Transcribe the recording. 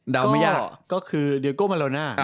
เดียวก็มาโลน่า